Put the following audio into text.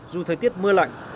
dù thời tiết mưa lạnh